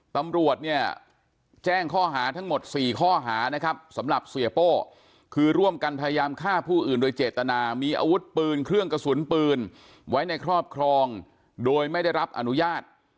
ตำรวจเนี่ยแจ้งข้อหาทั้งหมด๔ข้อหานะครับสำหรับเสียโป้คือร่วมกันพยายามฆ่าผู้อื่นโดยเจตนามีอาวุธปืนเครื่องกระสุนปืนไว้ในครอบครองโดยไม่ได้รับอนุญาต